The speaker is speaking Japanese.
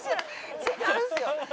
違うんですよ。